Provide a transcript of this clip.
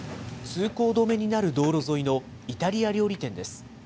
通行止めになる道路沿いのイタリア料理店です。